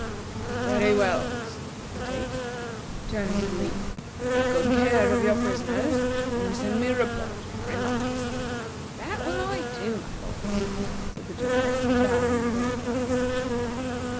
"Very well," said the Potentate, turning to leave; "take good care of your prisoners, and send me a report every month." "That will I do, my lord," said the jailer, bowing very low.